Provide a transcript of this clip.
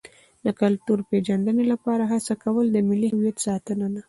د کلتور د پیژندنې لپاره هڅه کول د ملي هویت ساتنه ده.